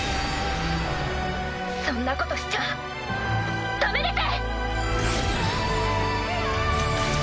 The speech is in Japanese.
そんなことしちゃダメです！